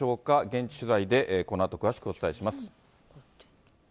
現地取材でこのあと、詳しくお伝えします。